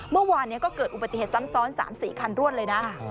เมื่อวานนี้ก็เกิดอุบัติเหตุซ้ำซ้อน๓๔คันรวดเลยนะ